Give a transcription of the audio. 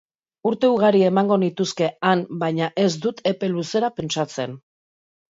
Urte ugari emango nituzke han, baina ez dut epe luzera pentsatzen.